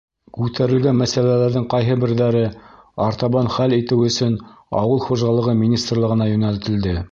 Күтәрелгән мәсьәләләрҙең ҡайһы берҙәре артабан хәл итеү өсөн Ауыл хужалығы министрлығына йүнәлтелде.